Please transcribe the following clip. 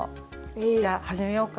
じゃあはじめようか。